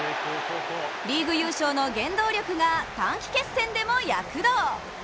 リーグ優勝の原動力が短期決戦でも躍動！